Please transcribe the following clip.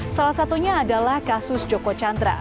salah satunya adalah kasus joko chandra